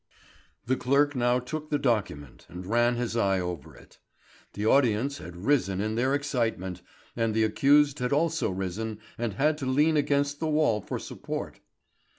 The clerk now took the document and ran his eye over it. The audience had risen in their excitement, and the accused had also risen and had to lean against the wall for support.